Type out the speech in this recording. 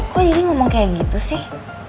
kok jadi ngomong kayak gitu sih